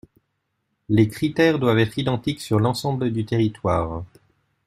Les critères doivent être identiques sur l’ensemble du territoire.